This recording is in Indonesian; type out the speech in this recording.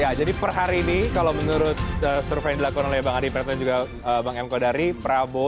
ya jadi perhari ini kalau menurut survei dilakukan oleh bang adi pertan juga bang m kodari prabowo